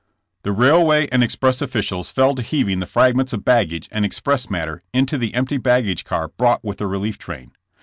The railway and express officials fell to heaving the fragments of baggage and express matter into the empty baggage car brought with the relief train.